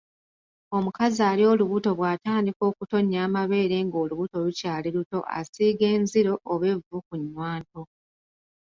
Omukazi ali olubuto bw'atandika okutonnya amabeere nga olubuto lukyali luto asiiga enziro oba evvu ku nnywanto.